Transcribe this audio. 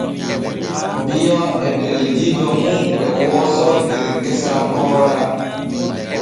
Bio e beldiijo mum e wooso der gesa koora.